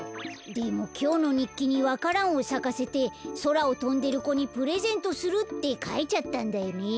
でもきょうのにっきにわか蘭をさかせてそらをとんでる子にプレゼントするってかいちゃったんだよね。